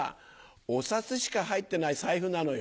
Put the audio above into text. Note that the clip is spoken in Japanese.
お札しか入ってない財布なのよ。